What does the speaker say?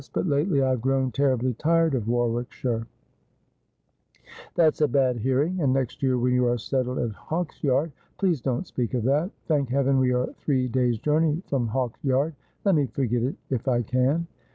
But lately I have grown terribly tired of Warwickshire .'' That's a bad hearing ; and next year, when you are settled at Hawksyard '' Please don't speak of that. Thank Heaven we are three days' journey from Hawksyard. Let me forget it if I can.'